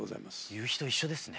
夕日と一緒ですね。